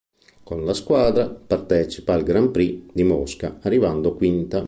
Con la squadra partecipa al Grand Prix di Mosca, arrivando quinta.